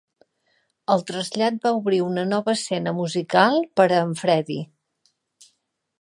El trasllat va obrir una nova escena musical per a en Freddie.